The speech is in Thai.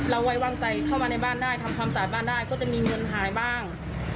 ไว้วางใจเข้ามาในบ้านได้ทำความสะอาดบ้านได้ก็จะมีเงินหายบ้าง